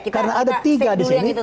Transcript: karena ada tiga di sini